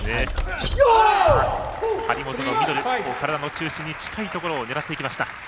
張本が体の中心に近いところを狙っていきました。